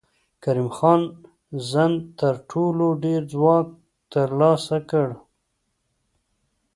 کریم خان زند تر ټولو ډېر ځواک تر لاسه کړ.